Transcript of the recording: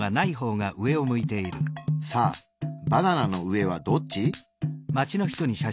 さあバナナの上はどっち？